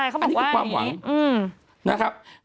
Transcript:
ใช่เขาบอกว่าอย่างนี้อันนี้คือความหวัง